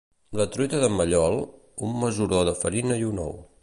La truita d'en Mallol, un mesuró de farina i un ou.